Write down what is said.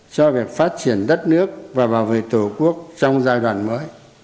cho việc phát triển đất nước và bảo vệ tổ quốc trong giai đoạn mới